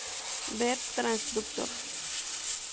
Ver transductor.